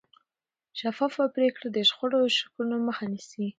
شفافه پرېکړې د شخړو او شکونو مخه نیسي